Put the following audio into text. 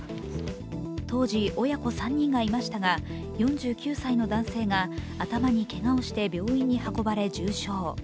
当時、親子３人がいましたが、４９歳の男性が頭にけがをして病院に運ばれ、重傷。